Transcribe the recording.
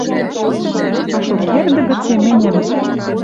А шукердӹ гыце мӹньӹм